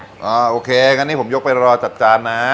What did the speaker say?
โอเคงั้นนี่ผมยกไปรอจัดจานนะ